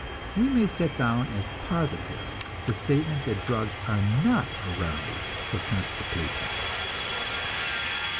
We may set down as positive the statement that drugs are not a remedy for constipation.